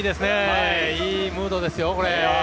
いいムードですよ。